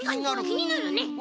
きになるね。